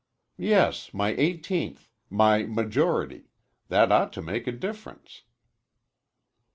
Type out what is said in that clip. "Yes, my eighteenth my majority. That ought to make a difference."